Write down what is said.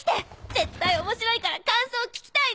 絶対面白いから感想聞きたいの！